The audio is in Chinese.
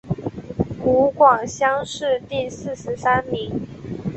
湖广乡试第四十三名。